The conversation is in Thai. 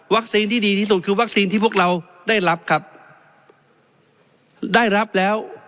ที่ดีที่สุดคือวัคซีนที่พวกเราได้รับครับได้รับแล้ว